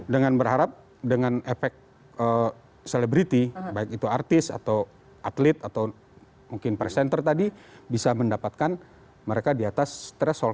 dengan berharap dengan efek selebriti baik itu artis atau atlet atau mungkin presenter tadi bisa mendapatkan mereka di atas threshold